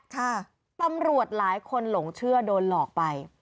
ค่ะตำรวจหลายคนหลงเชื่อโดนหลอกไป